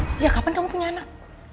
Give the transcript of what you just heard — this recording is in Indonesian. sejak kapan kamu punya anak